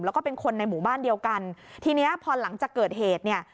แล้วก็เป็นคนในหมู่บ้านเดียวกันทีเนี้ยพอหลังจากเกิดเหตุเนี่ย